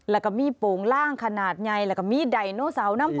แล้วก็มีโปรงร่างขนาดไหนแล้วก็มีไดโนเสาร์น้ำพร้อม